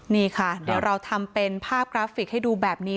นี่ค่ะเดี๋ยวเราทำเป็นภาพกราฟิกให้ดูแบบนี้